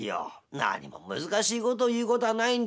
「なにも難しいこと言うことはないんですよ。